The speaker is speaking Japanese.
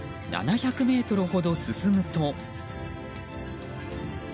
７００ｍほど進むと。